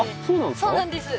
そうなんですか。